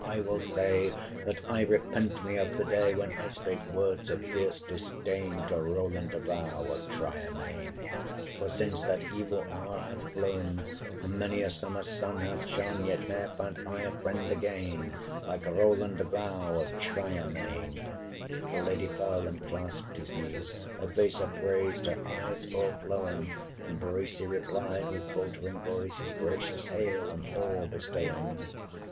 I will say, That I repent me of the day When I spake words of fierce disdain To Roland de Vaux of Tryermaine! For since that evil hour hath flown, 515 Many a summer's sun hath shone; Yet ne'er found I a friend again Like Roland de Vaux of Tryermaine.' The lady fell, and clasped his knees, Her face upraised, her eyes o'erflowing; 520 And Bracy replied, with faltering voice, His gracious Hail on all bestowing!